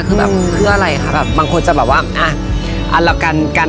คือแบบเพื่ออะไรคะแบบบางคนจะแบบว่าอ่ะเอาละกันกัน